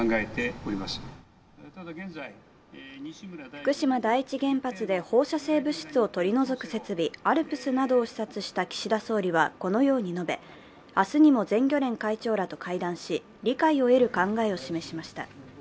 福島第一原発で放射性物質を取り除く設備ＡＬＰＳなどを視察した岸田総理はこのように述べ、明日にも全漁連会長らと会談し理解を得る考えを示しました。